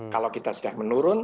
kalau kita sudah menurun